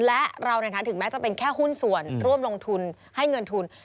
และเราถึงแม้จะเป็นแค่หุ้นส่วนร่วมลงทุนให้เงินทุน